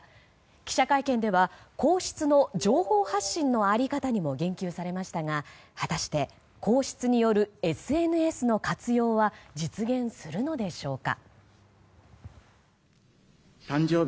記者会見では皇室の情報発信の在り方にも言及されましたが、果たして皇室によるＳＮＳの活用は実現するのでしょうか？